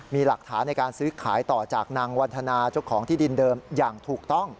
มีหลักฐานในการซื้อขายต่อจากนางวันธนาเจ้าของที่ดินเดิมอย่างถูกต้อง